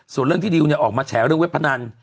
ส่วนเรื่องที่ดิวเนี่ยออกมาแฉเรื่องเว็บพนัน